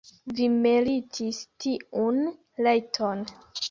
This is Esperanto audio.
Vi meritis tiun rajton.